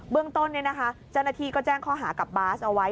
เบื้องต้นจนนาทีก็แจ้งข้อหากับบ๊าซเอาไว้